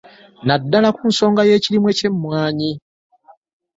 Naddala ku nsonga y'ekirime ky'emmwanyi.